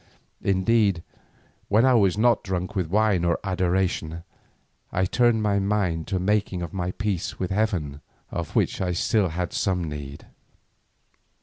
Indeed when I was not drunk with wine or adoration, I turned my mind to the making of my peace with heaven, of which I had some need.